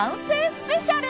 スペシャル